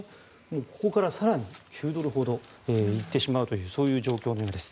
ここから更に９ドルほどいってしまうという状況のようです。